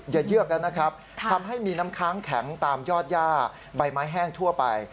เยือกแล้วนะครับทำให้มีน้ำค้างแข็งตามยอดย่าใบไม้แห้งทั่วไป